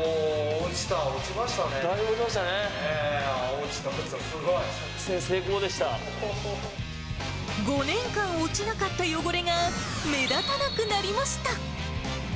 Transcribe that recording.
落ちた、落ちた、すごい！５年間落ちなかった汚れが、目立たなくなりました。